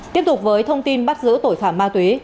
tiếp tục với thông tin bắt giữ tội phạm ma túy